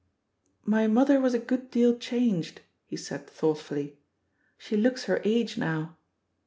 "My mother was a good deal changed," he said thoughtfully; "she looks her age now.